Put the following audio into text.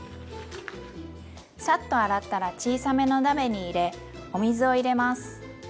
サッと洗ったら小さめの鍋に入れお水を入れます。